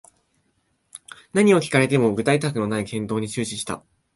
何を聞かれても具体策のない返答に終始した